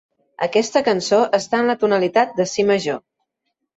Aquesta cançó està en la tonalitat de si major.